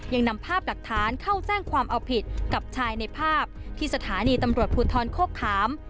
ยังนำภาพหลักฐานเข้าแจ้งความเอาผิดกับชายในภาพที่สถานีตำรวจภูทรโคกขาม